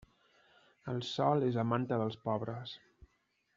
El sol és la manta dels pobres.